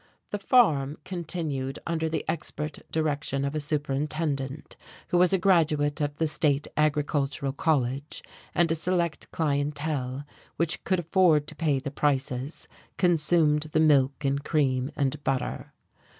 The farm continued under the expert direction of a superintendent who was a graduate of the State Agricultural College, and a select clientele, which could afford to pay the prices, consumed the milk and cream and butter.